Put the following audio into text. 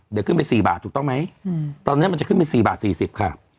เดี๋ยวขึ้นไป๔บาทถูกต้องไหมตอนนี้มันจะขึ้นไป๔บาท๔๐ค่ะ